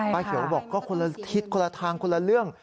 ป้าเขียวบอกก็ทิศคนละทางคนละเรื่อง